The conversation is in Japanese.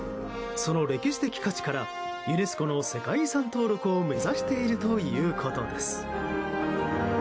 その歴史的価値からユネスコの世界遺産登録を目指しているということです。